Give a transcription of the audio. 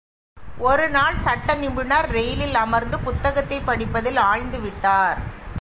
ஒரு நாள், சட்ட நிபுணர் ரயிலில் அமர்ந்து, புத்தகத்தைப் படிப்பதில் ஆழ்ந்து விட்டார்.